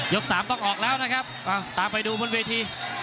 ยกต่อไปดูเพจี่